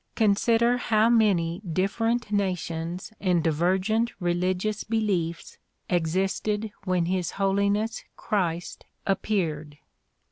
Consider how many different nations and divergent religious be liefs existed when His Holiness Christ appeared.